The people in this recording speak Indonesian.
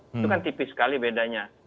itu kan tipis sekali bedanya